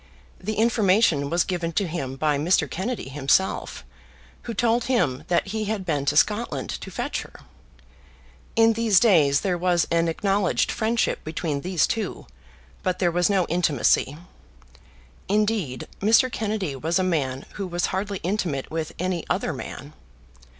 The information was given to him by Mr. Kennedy himself, who told him that he had been to Scotland to fetch her. In these days there was an acknowledged friendship between these two, but there was no intimacy. Indeed, Mr. Kennedy was a man who was hardly intimate with any other man.